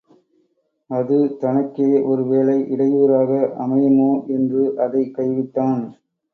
அது தனக்கே ஒரு வேளை இடையூறாக அமையுமோ என்று அதைக் கைவிட்டான்.